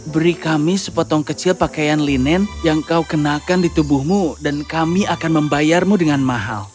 beri kami sepotong kecil pakaian linen yang kau kenakan di tubuhmu dan kami akan membayarmu dengan mahal